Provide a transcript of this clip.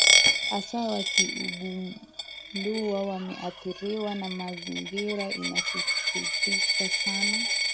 hasa wakigunduwa wameadhiriwa na maradhi inasikitisha sana